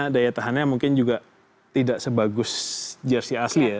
daya tahannya mungkin juga tidak sebagus jersi asli ya